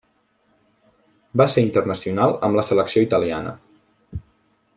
Va ser internacional amb la selecció italiana.